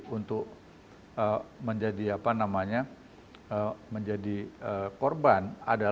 untuk menjadi korban